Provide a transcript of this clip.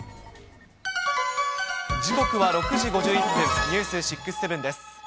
時刻は６時５１分、ニュース６ー７です。